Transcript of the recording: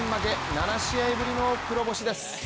７試合ぶりの黒星です。